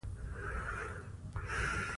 هرات د افغانستان د ځمکې د جوړښت نښه ده.